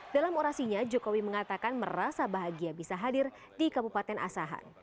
dalam orasinya jokowi mengatakan merasa bahagia bisa hadir di kabupaten asahan